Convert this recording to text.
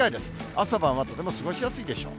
朝晩はとても過ごしやすいでしょう。